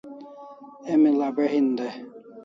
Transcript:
Emi l'abe' hin dai